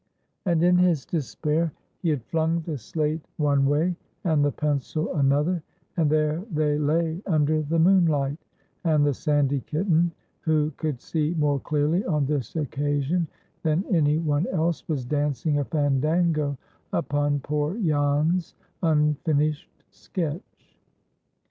And in his despair he had flung the slate one way and the pencil another, and there they lay under the moonlight; and the sandy kitten, who could see more clearly on this occasion than any one else, was dancing a fandango upon poor Jan's unfinished sketch.